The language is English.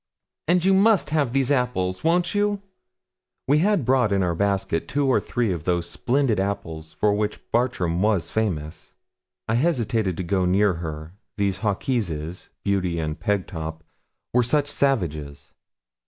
'And you must have these apples won't you?' We had brought in our basket two or three of those splendid apples for which Bartram was famous. I hesitated to go near her, these Hawkeses, Beauty and Pegtop, were such savages.